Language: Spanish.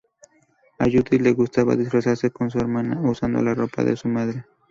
A Judit le gustaba disfrazarse con su hermana, usando la ropa de su madre.